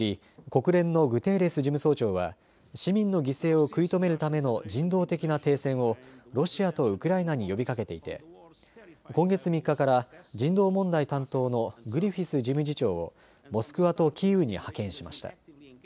国連のグテーレス事務総長は市民の犠牲を食い止めるための人道的な停戦をロシアとウクライナに呼びかけていて今月３日から人道問題担当のグリフィス事務次長をモスクワとキーウに派遣しました。